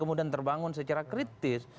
kemudian terbangun secara kritis